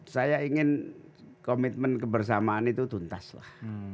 saya ingin komitmen kebersamaan itu tuntas lah